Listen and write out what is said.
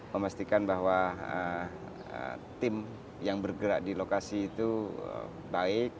memastikan bahwa tim yang bergerak di lokasi itu baik